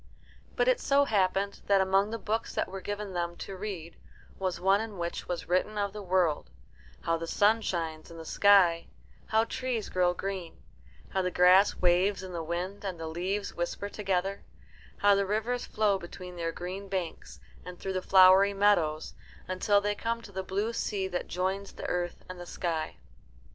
But it so happened that among the books that were given them to read was one in which was written of the world: how the sun shines in the sky; how trees grow green; how the grass waves in the wind and the leaves whisper together; how the rivers flow between their green banks and through the flowery meadows, until they come to the blue sea that joins the earth and the sky.